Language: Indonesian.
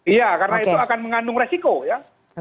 iya karena itu akan mengandung resiko ya